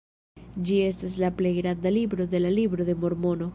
Ĝi estas la plej granda libro de la Libro de Mormono.